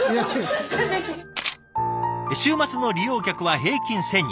週末の利用客は平均１，０００人。